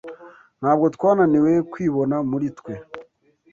Ntabwo twananiwe kwibona muri twe